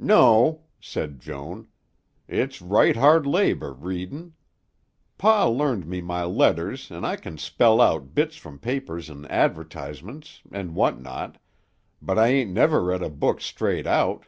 "No," said Joan; "it's right hard labor, readin'. Pa learned me my letters an' I can spell out bits from papers an' advertisements an' what not, but I ain't never read a book straight out.